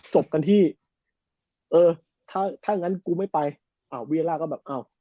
จบกันที่เออถ้าถ้างั้นกูไม่ไปอ่าเวียล่าก็แบบอ้าว